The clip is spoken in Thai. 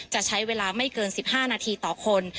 จะใช้เวลาไม่เกิน๑๕นาทีต่อคน